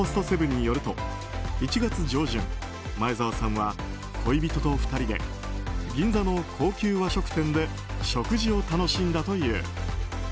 セブンによると１月上旬前澤さんは恋人と２人で銀座の高級和食店で食事を楽しんだという。